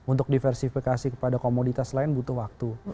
untuk diversifikasi kepada komoditas lain butuh waktu